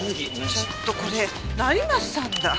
ちょっとこれ成増さんだ。